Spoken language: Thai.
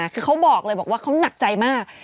คือเขาบอกเลยบอกว่าเขาหนักใจมาก